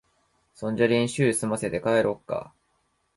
そんじゃ練習すませて、帰ろっか。